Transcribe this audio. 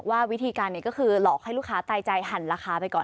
วิธีการนี้ก็คือหลอกให้ลูกค้าตายใจหั่นราคาไปก่อน